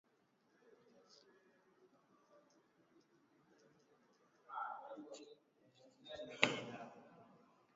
Dola ya Kiislamu imedai kuhusika na shambulizi la Jamhuri ya Kidemokrasia ya Kongo lililouwa watu kumi na tano